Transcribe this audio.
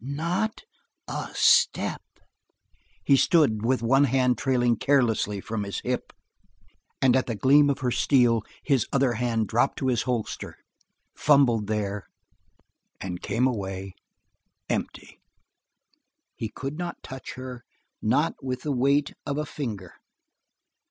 "Not a step!" He stood with one hand trailing carelessly from his hip, and at the gleam of her steel his other hand dropped to a holster, fumbled there, and came away empty; he could not touch her, not with the weight of a finger.